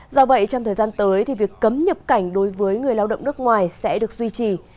do vậy trong thời gian tới thì việc cấm nhập cảnh đối với người lao động nước ngoài sẽ được duy trì